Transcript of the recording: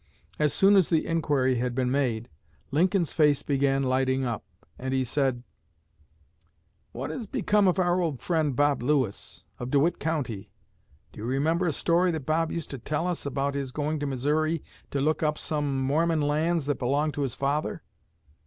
As soon as the inquiry had been made, Lincoln's face began lighting up, and he said: "What has become of our old friend Bob Lewis, of DeWitt County? Do you remember a story that Bob used to tell us about his going to Missouri to look up some Mormon lands that belonged to his father?